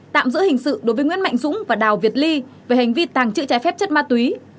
tạm giữ hình sự đối với nguyễn mạnh dũng và đào việt ly về hành vi tàng trữ trái phép chất ma túy